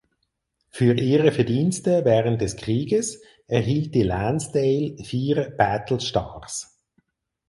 Für ihre Verdienste während des Krieges erhielt die "Lansdale" vier Battle Stars.